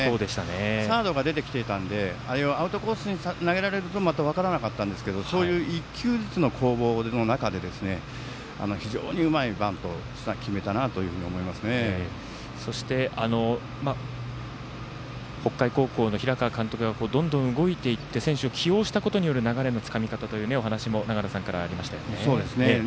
サードが出てきていたのでアウトコースに投げられるとまた分からなかったんですけど１球ずつの攻防の中で非常に、うまいバントを決めたなというふうにそして、北海高校の平川監督がどんどん動いていって選手を起用したことによる流れのつかみ方というお話も長野さんからありましたよね。